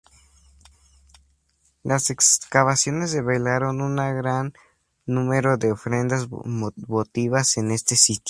Las excavaciones revelaron un gran número de ofrendas votivas en este sitio.